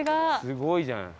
すごいじゃない。